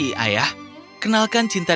permisi ayah kenalkan cinta dari ayah pery